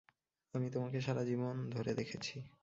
আমি তোমাকে সারাজীবন ধরে দেখেছি।